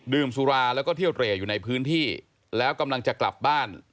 สุราแล้วก็เที่ยวเตรอยู่ในพื้นที่แล้วกำลังจะกลับบ้าน